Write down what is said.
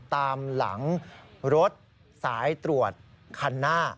ตามหลังรถสายตรวจคันหน้า